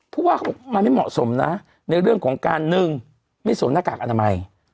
ว่าเขาบอกมันไม่เหมาะสมนะในเรื่องของการหนึ่งไม่สวมหน้ากากอนามัย